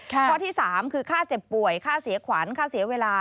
ข้อที่๓คือค่าเจ็บป่วยค่าเสียขวัญค่าเสียเวลา